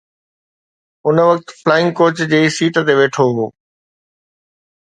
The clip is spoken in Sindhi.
ان وقت فلائنگ ڪوچ جي سيٽ تي ويٺو هو